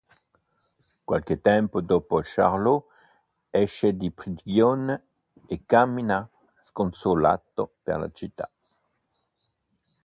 Qualche tempo dopo Charlot esce di prigione e cammina sconsolato per la città.